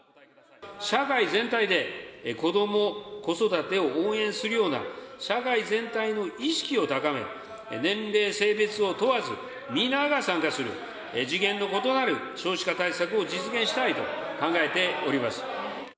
社会全体でこども・子育てを応援するような社会全体の意識を高め、年齢、性別を問わず、皆が参加する、次元の異なる少子化対策を実現したいと考えております。